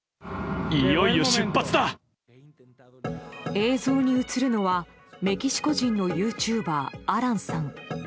映像に映るのはメキシコ人のユーチューバーアランさん。